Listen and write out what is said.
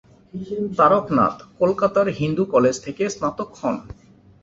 তারকনাথ কলকাতার হিন্দু কলেজ থেকে স্নাতক হন।